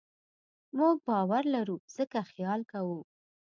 موږ باور لرو؛ ځکه خیال کوو.